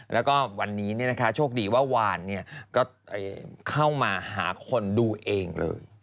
แล้วก็วันนี้โชคดีว่าวานก็เข้ามาหาคนดูเองเลย